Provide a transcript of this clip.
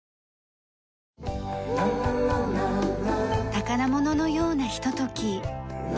宝物のようなひととき。